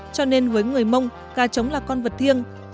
cho nên với người mông gà trống là con vật thiêng